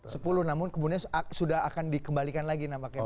sepuluh namun kemudian sudah akan dikembalikan lagi nampaknya